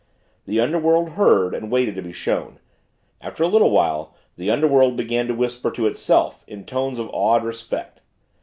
The underworld heard and waited to be shown; after a little while the underworld began to whisper to itself in tones of awed respect.